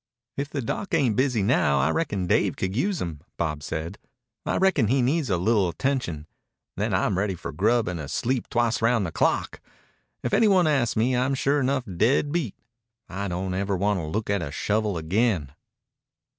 "If the doc ain't busy now, I reckon Dave could use him," Bob said. "I reckon he needs a li'l' attention. Then I'm ready for grub an' a sleep twice round the clock. If any one asks me, I'm sure enough dead beat. I don't ever want to look at a shovel again."